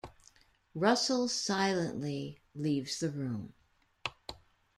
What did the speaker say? Russell silently leaves the room.